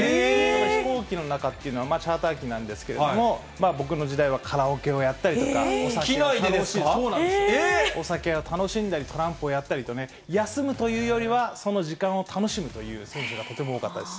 飛行機の中っていうのは、チャーター機なんですけど、僕の時代はカラオケをやったりとか、お酒を楽しんだりとか、トランプをやったりとね、休むというよりは、その時間を楽しむという選手がとても多かったです。